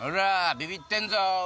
ビビってんぞ！